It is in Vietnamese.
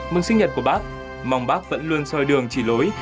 mừng sinh nhật của bắc mong bắc vẫn luôn soi đường chỉ lối